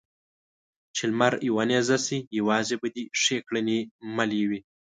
چې لمر يوه نېزه شي؛ يوازې به دې ښې کړنې ملې وي.